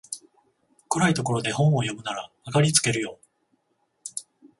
暗いところで本を読むなら明かりつけるよ